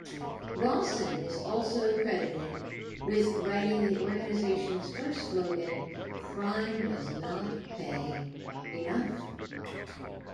Rawson is also credited with writing the organization's first slogan: "Crime Does Not Pay-Enough".